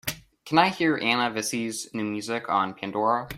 Can I hear Anna Vissi's new music on Pandora?